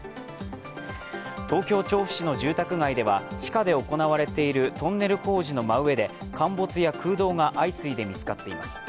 東京・調布市の住宅街では地下で行われているトンネル工事の真上で陥没や空洞が相次いで見つかっています。